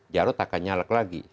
jarod akan nyalek lagi